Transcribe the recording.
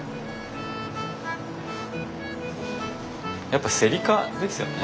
やっぱセリ科ですよね。